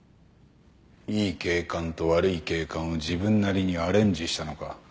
「いい警官と悪い警官」を自分なりにアレンジしたのか。